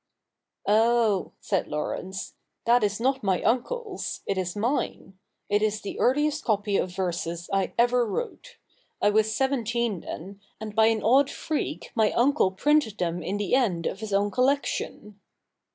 ' Oh,' said Laurence, '' that is not my uncle's : it is mine. It is the earliest copy of verses I ever wrote. I was seventeen then, and by an odd freak my uncle printed them in the end of his own collection.'